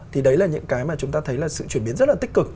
thì đấy là những cái mà chúng ta thấy là sự chuyển biến rất là tích cực